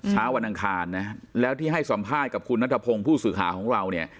เช้าวันอังคารนะแล้วที่ให้สัมภาษณ์กับคุณนัทพงศ์ผู้สื่อข่าวของเราเนี่ย